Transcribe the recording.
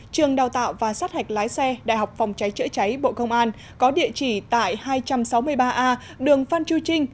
trường đào tạo và sát hạch lái xe đại học phòng cháy chữa cháy bộ công an có địa chỉ tại hai trăm sáu mươi ba a đường phan chu trinh